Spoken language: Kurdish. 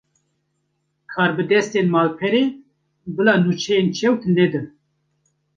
Karbidestên malperê, bila nûçeyên çewt nedin